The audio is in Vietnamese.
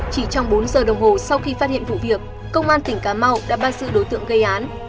chỉ trong bốn giờ đồng hồ sau khi phát hiện vụ việc công an tỉnh cà mau đã bắt sự đối tượng gây án